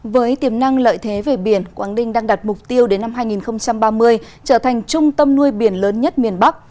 với tiềm năng lợi thế về biển quảng ninh đang đặt mục tiêu đến năm hai nghìn ba mươi trở thành trung tâm nuôi biển lớn nhất miền bắc